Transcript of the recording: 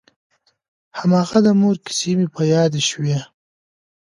هماغه د مور کيسې مې په ياد شوې.